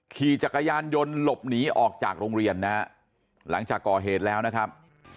ขี่จักรยานยนต์หลบหนีออกจากโรงเรียนนะฮะหลังจากก่อเหตุแล้วนะครับ